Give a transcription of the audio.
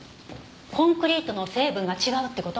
コンクリートの成分が違うって事？